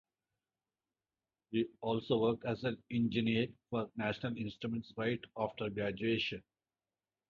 He also worked as an engineer for National Instruments right after graduation.